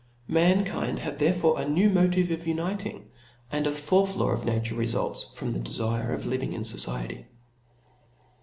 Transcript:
Mankind have there fore a new motive of uniting •, and a fourth law of nature refults from the defire of living in fo ciety.